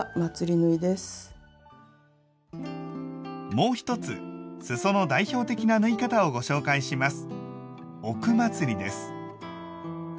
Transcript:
もう一つすその代表的な縫い方をご紹介します。